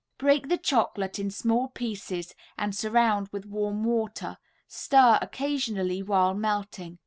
Break the chocolate in small pieces and surround with warm water, stir occasionally while melting.